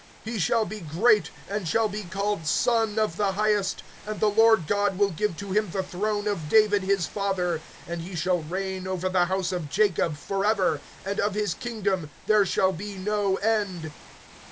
(32)He shall be great, and shall be called Son of the Highest; and the Lord God will give to him the throne of David his father; (33)and he shall reign over the house of Jacob forever; and of his kingdom there shall be no end.